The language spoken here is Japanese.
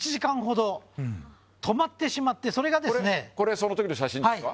その時の写真ですか？